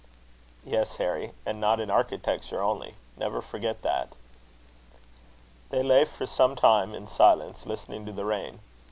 "Yes, Harry; and not in architecture only. Never forget that." They lay for some time in silence, listening to the rain.